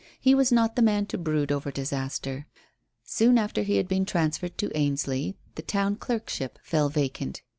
He was not the man to brood over disaster. Soon after he had been transferred to Ainsley the Town Clerkship fell vacant.